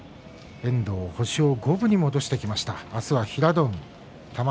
遠藤、星を五分に戻してきました。